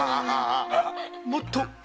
もっと上。